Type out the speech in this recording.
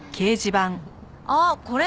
あっこれ。